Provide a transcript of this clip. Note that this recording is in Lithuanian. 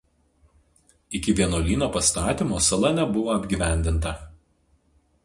Iki vienuolyno pastatymo sala nebuvo apgyvendinta.